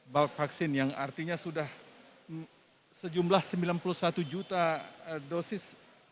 bulk vaksin yang artinya sudah sejumlah sembilan puluh satu juta dosis